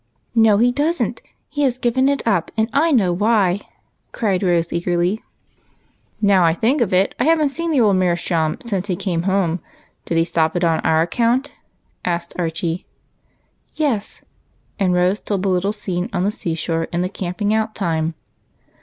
"No, he doesn't! He has given it up, and I know why," cried Rose eagerly. "Now I think of it, I haven't seen the old meer schaum since he came home. Did he stop it on our account?" asked Archie. y M 194 EIGHT COUSINS. " Yes," and Rose told the little scene on the sea shore in the camping out time.